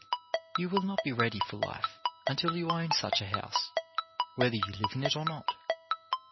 You will not be ready for life until you own such a house, whether you live in it or not.